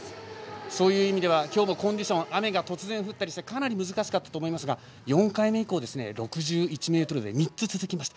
そういう意味では今日もコンディション雨が突然降ってかなり難しかったと思いますが４回目以降６１ｍ台３つ続きました。